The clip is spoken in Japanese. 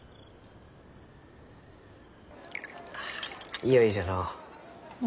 いよいよじゃのう。